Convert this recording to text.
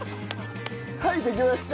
はいできました！